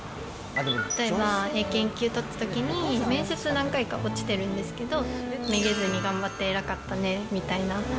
例えば、英検１級取ったときに、面接、何回か落ちてるんですけど、めげずに頑張って偉かったねみたいな。